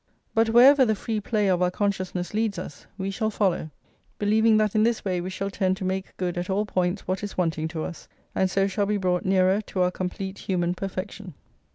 But wherever the free play of our consciousness leads us, we shall follow; believing that in this way we shall tend to make good at all points what is wanting to us, and so shall be brought nearer to our complete human perfection.